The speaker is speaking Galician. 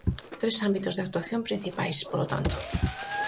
Tres ámbitos de actuación principais, polo tanto.